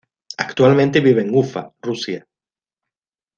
Actualmente vive en Ufa, Rusia.